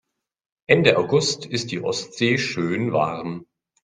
Ende August ist die Ostsee schön warm.